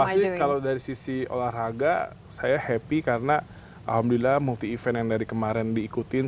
pasti kalau dari sisi olahraga saya happy karena alhamdulillah multi event yang dari kemarin diikutin